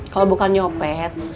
kalau bukan nyupet